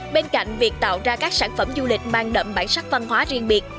bên cạnh việc tạo ra các sản phẩm du lịch mang đậm bản sắc văn hóa riêng biệt